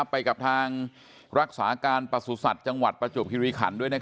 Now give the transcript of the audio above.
ไปกับทางรักษาการประสุทธิ์จังหวัดประจวบคิริขันด้วย